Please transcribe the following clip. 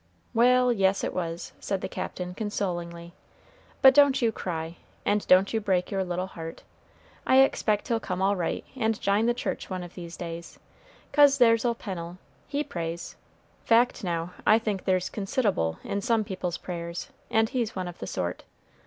"Wal', yes, it was," said the Captain, consolingly; "but don't you cry, and don't you break your little heart. I expect he'll come all right, and jine the church one of these days; 'cause there's old Pennel, he prays, fact now, I think there's consid'able in some people's prayers, and he's one of the sort.